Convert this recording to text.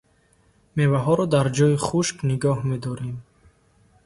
Меваҳоро дар ҷои хушк нигоҳ медорем.